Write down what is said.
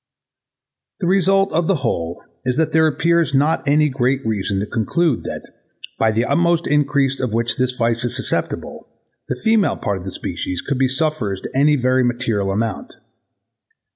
The result of the whole is that there appears not any great reason to conclude that, by the utmost increase of which this vice is susceptible, the female part of the species could be sufferers to any very material amount.